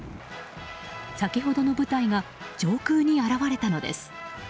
先ほどの部隊が上空に現れたのです。